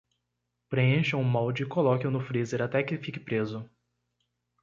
Preencha um molde e coloque-o no freezer até que fique preso.